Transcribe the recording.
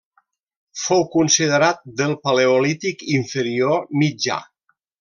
Fou considerat del Paleolític Inferior Mitjà.